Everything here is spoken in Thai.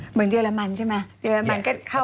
เหมือนเดียรมันใช่ไหมเดียรมันก็เข้า